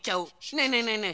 ねえねえねえねえ！